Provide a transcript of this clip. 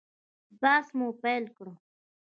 بحث مو پیل کړ.